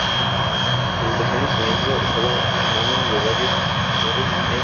Su educación y enseñanza estaban en manos de varios tutores e institutrices.